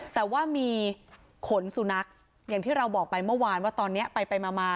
แต่ว่ามีขนสุนัขอย่างที่เราบอกไปเมื่อวานว่าตอนนี้ไปมา